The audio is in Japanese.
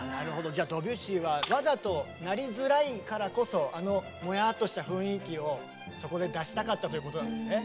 じゃあドビュッシーはわざと鳴りづらいからこそあのもやっとした雰囲気をそこで出したかったということなんですね。